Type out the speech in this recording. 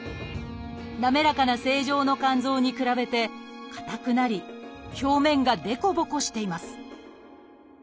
滑らかな正常の肝臓に比べて硬くなり表面が凸凹しています